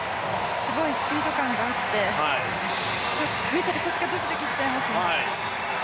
すごいスピード感があって、見ているこっちがドキドキしちゃいますね。